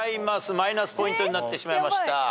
マイナスポイントになってしまいました。